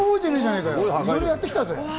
いろいろやってきたぜ？